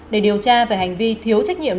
để điều tra về hành vi thiếu trách nhiệm